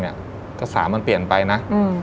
เจ้าสามมันเปลี่ยนไปนะ